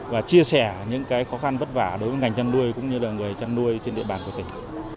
và chia sẻ những khó khăn vất vả đối với ngành chăn nuôi cũng như là người chăn nuôi trên địa bàn của tỉnh